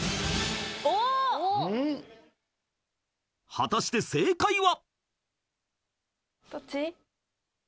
［果たして正解は？］